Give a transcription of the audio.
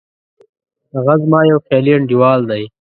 هغه زما یو خیالي انډیوال دی